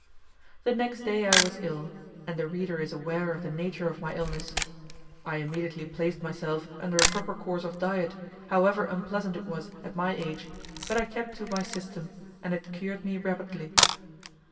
The next day I was ill, and the reader is aware of the nature of my illness. I immediately placed myself under a proper course of diet, however unpleasant it was at my age; but I kept to my system, and it cured me rapidly.